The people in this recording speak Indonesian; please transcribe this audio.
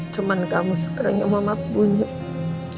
cuma kamu sekarang yang memohon maaf bunyi